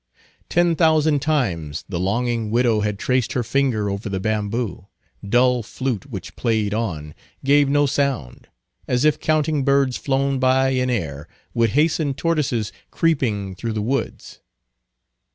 Ten thousand times the longing widow had traced her finger over the bamboo—dull flute, which played, on, gave no sound—as if counting birds flown by in air would hasten tortoises creeping through the woods.